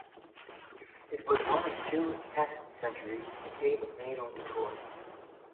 It was one of two Test centuries McCabe made on the tour.